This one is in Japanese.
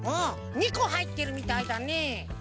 ２こはいってるみたいだね。